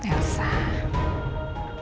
ternyata laki laki itu menawarkan projek